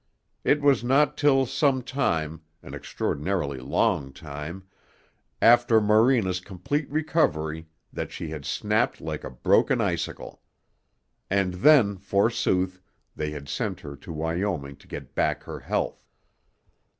It was not till some time an extraordinarily long time after Morena's complete recovery that she had snapped like a broken icicle. And then, forsooth, they had sent her to Wyoming to get back her health!